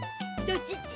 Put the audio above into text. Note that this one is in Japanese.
「どっち？